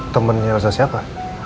temennya elsa siapa